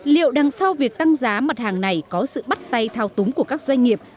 liệu đằng sau việc tăng giá mặt hàng này có sự bắt tay thao túng của các doanh nghiệp